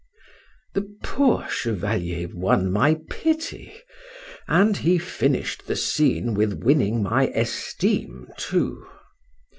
—The poor Chevalier won my pity, and he finished the scene with winning my esteem too.